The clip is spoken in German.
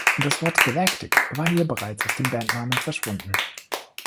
Das Wort „Galactic“ war hier bereits aus dem Bandnamen verschwunden.